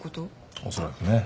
おそらくね。